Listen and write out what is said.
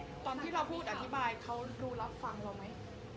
ตอนที่เราพูดอธิบายเขาดูรับฟังเราไหม